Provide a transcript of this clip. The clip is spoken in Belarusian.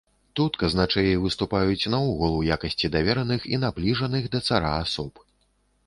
Тут казначэі выступаюць наогул у якасці давераных і набліжаных да цара асоб.